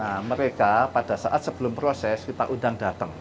nah mereka pada saat sebelum proses kita undang datang